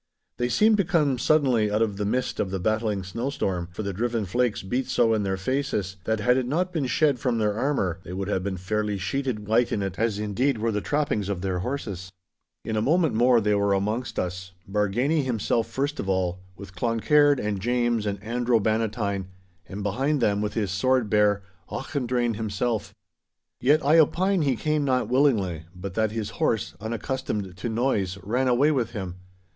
They seemed to come suddenly out of the midst of the battling snowstorm, for the driven flakes beat so in their faces, that had it not been shed from their armour they would have been fairly sheeted white in it, as indeed were the trappings of their horses. In a moment more they were amongst us—Bargany himself first of all, with Cloncaird and James and Andro Bannatyne, and behind them, with his sword bare, Auchendrayne himself. Yet I opine he came not willingly, but that his horse, unaccustomed to noise, ran away with him.